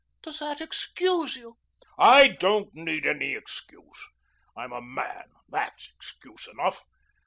"Does that excuse you?" "I don't need any excuse. I'm a man. That's excuse enough.